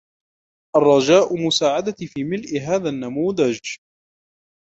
الرجاء مساعدتي في ملء هذا النموذج.